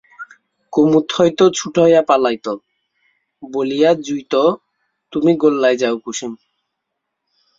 কুমুদ হয়তো ছুটয়া পলাইত, বলিয়া যুইত তুমি গোল্লায় যাও কুসুম।